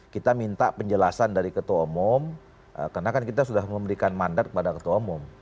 kita minta penjelasan dari ketua umum karena kan kita sudah memberikan mandat kepada ketua umum